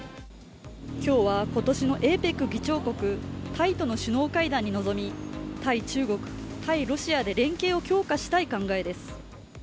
今日は今年のＡＰＥＣ議長国タイとの首脳会談に臨み対中国・対ロシアで連携を強化したい考えです。